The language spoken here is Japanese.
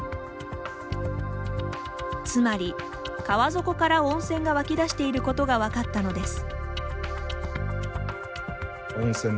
つまり川底から温泉が湧き出していることが分かったのです。